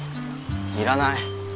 要らない。